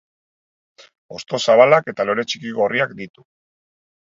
Hosto zabalak eta lore txiki gorriak ditu.